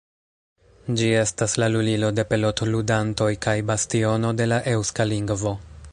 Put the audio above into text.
Ĝi estas la Lulilo de pelot-ludantoj kaj bastiono de la eŭska lingvo.